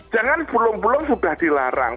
jangan belum belum sudah dilarang